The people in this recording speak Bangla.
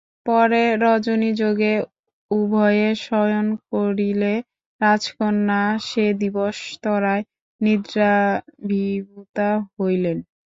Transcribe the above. পরে রজনীযোগে উভয়ে শয়ন করিলে রাজকন্যা সে দিবস ত্বরায় নিদ্রাভিভূতা হইলেন।